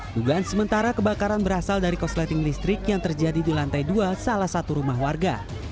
dugaan sementara kebakaran berasal dari kosleting listrik yang terjadi di lantai dua salah satu rumah warga